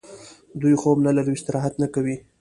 دوی خوب نلري او استراحت نه کوي